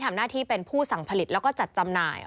ทำหน้าที่เป็นผู้สั่งผลิตแล้วก็จัดจำหน่าย